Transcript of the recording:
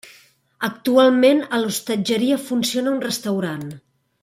Actualment, a l'hostatgeria funciona un restaurant.